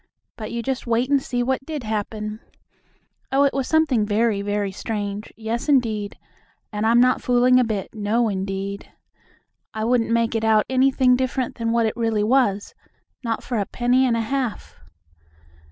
But you just wait and see what did happen. Oh, it was something very, very strange, yes, indeed, and I'm not fooling a bit; no, indeed. I wouldn't make it out anything different than what it really was, not for a penny and a half.